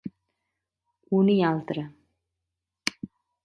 Un i altre.